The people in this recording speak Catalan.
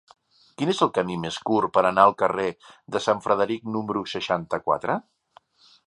Quin és el camí més curt per anar al carrer de Sant Frederic número seixanta-quatre?